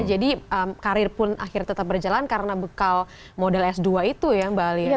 jadi karir pun akhirnya tetap berjalan karena bekal modal s dua itu ya mbak alia